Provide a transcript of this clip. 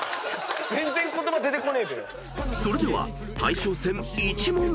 ［それでは大将戦１問目］